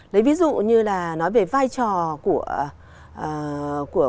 đấy ví dụ như là nói về vai trò của